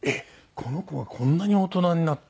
この子がこんなに大人になって。